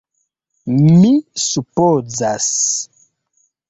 Mi supozas...